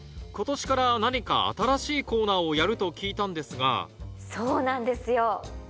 今年から何か新しいコーナーをやると聞いたんですがそうなんですよ。